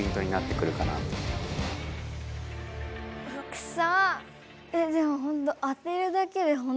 くそ！